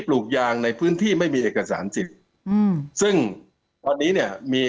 ปลูกยางในพื้นที่ไม่มีเอกสารสิทธิ์อืมซึ่งตอนนี้เนี่ยมี